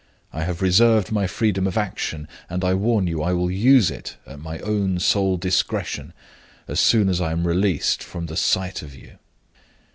I have reserved my freedom of action, and I warn you I will use it at my own sole discretion, as soon as I am released from the sight of you."